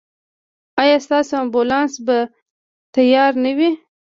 ایا ستاسو امبولانس به تیار نه وي؟